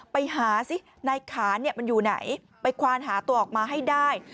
ไปหาสินายขานมันอยู่ไหนไปควานหาตัวออกมาให้ได้